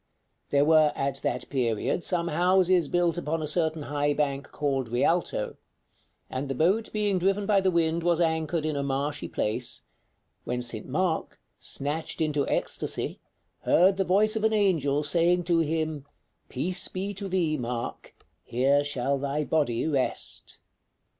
There were at that period some houses built upon a certain high bank called Rialto, and the boat being driven by the wind was anchored in a marshy place, when St. Mark, snatched into ecstasy, heard the voice of an angel saying to him: 'Peace be to thee, Mark; here shall thy body rest.'"